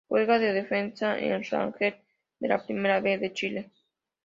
Juega de defensa en Rangers de la Primera B de Chile.